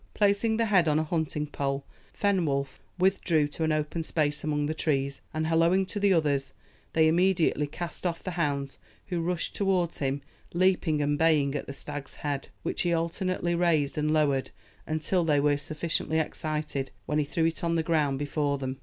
Placing the head on a hunting pole, Fenwolf withdrew to an open space among the trees, and, halloing to the others, they immediately cast off the hounds, who rushed towards him, leaping and baying at the stag's head, which he alternately raised and lowered until they were sufficiently excited, when he threw it on the ground before them.